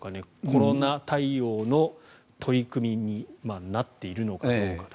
コロナ対応の取り組みになっているのかどうか。